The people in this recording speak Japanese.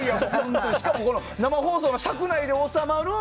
しかも生放送の尺で収まる